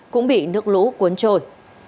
cũng bị nước lũ cuốn trôi